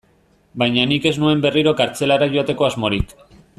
Baina nik ez nuen berriro kartzelara joateko asmorik.